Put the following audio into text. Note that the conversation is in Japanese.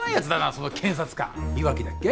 その検察官岩城だっけ？